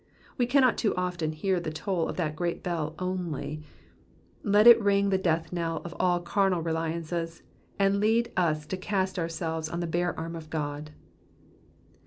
We cannot too often hear the toll of that great bell only ; let it ring the death knell of all carnal reliances, and lead us to cast ourselves on the bare arm of God.